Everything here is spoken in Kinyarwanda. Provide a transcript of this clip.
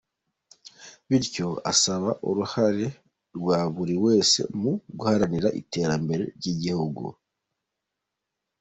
Bityo asaba uruhare rwa buri wese mu guharanira iterambere ry’igihugu.